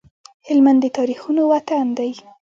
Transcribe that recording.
هلمند د تاريخونو وطن دی